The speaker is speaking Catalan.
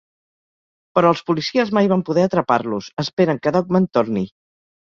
Però els policies mai van poder atrapar-los, esperen que Dog Man torni.